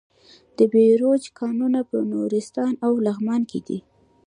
د بیروج کانونه په نورستان او لغمان کې دي.